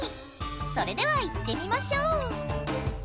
それではいってみましょう！